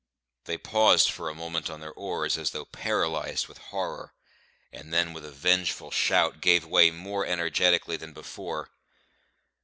They paused for a moment on their oars as though paralysed with horror; and then with a vengeful shout gave way more energetically than before.